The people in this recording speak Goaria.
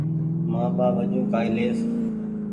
مآن ٻآ وجون ڪآئي ليئس